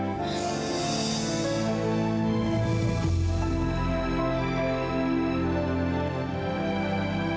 kami percaya sama kakak